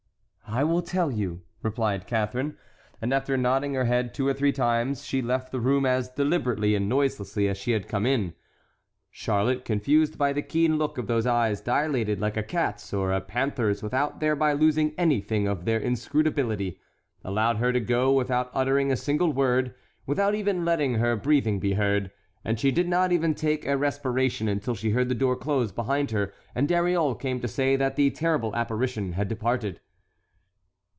"I will tell you," replied Catharine, and after nodding her head two or three times she left the room as deliberately and noiselessly as she had come in. Charlotte, confused by the keen look of those eyes dilated like a cat's or a panther's without thereby losing anything of their inscrutability, allowed her to go without uttering a single word, without even letting her breathing be heard, and she did not even take a respiration until she heard the door close behind her and Dariole came to say that the terrible apparition had departed.